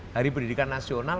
hari pendidikan nasional